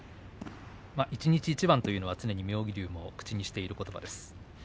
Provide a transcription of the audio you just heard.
一日一番というのは妙義龍がいつも口にしていることです。